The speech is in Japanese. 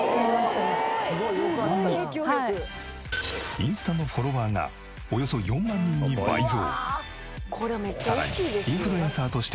インスタのフォロワーがおよそ４万人に倍増。